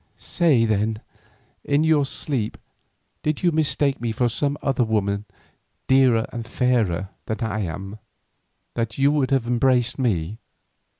Say then, in your sleep did you mistake me for some other woman dearer and fairer than I am, that you would have embraced me?"